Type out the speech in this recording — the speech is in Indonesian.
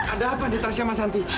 ada apaan di tasya sama santi